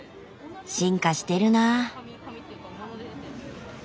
進化してるなぁ。